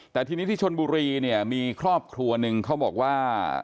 แต่ทีนี้ที่ชนบุรีเนี่ยมีครอบครัวหนึ่งเขาบอกว่า